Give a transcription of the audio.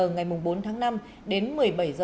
ngày bốn tháng năm đến một mươi bảy h